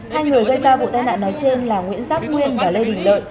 hai người gây ra vụ tai nạn nói trên là nguyễn giác nguyên và lê đình lợi